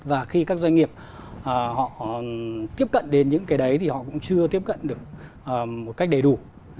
và khi các doanh nghiệp họ tiếp cận đến những cái đấy thì họ cũng chưa tiếp cận được một cách đầy đủ